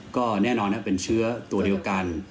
ก็แน่นอนเป็นเชื้อตัวเดียวกัน